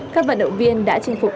các vận động viên đã chinh phục